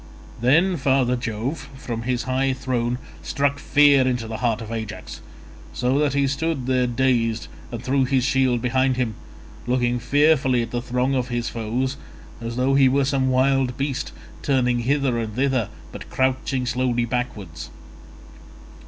Then father Jove from his high throne struck fear into the heart of Ajax, so that he stood there dazed and threw his shield behind him—looking fearfully at the throng of his foes as though he were some wild beast, and turning hither and thither but crouching slowly backwards.